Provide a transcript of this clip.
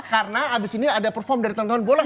karena habis ini ada perform dari temen temen boleh